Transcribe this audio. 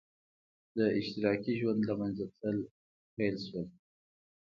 د اشتراکي ژوند له منځه تلل پیل شول.